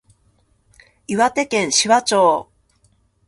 岩手県紫波町